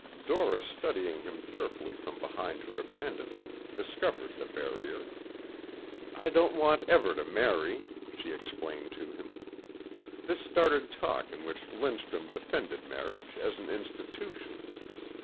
Doris studying him carefully from behind her abandonment discovered the barrier. "I don't want ever to marry," she explained to him. This started talk in which Lindstrum defended marriage as an institution.